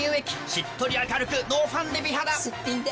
しっとり明るくノーファンデ美肌すっぴんで。